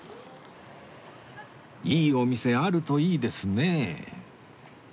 いいお店あるといいですね